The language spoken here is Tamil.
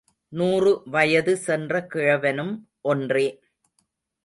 நூறு வயது சென்ற கிழவனும் ஒன்றே.